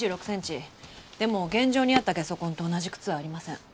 でも現場にあったゲソ痕と同じ靴はありません。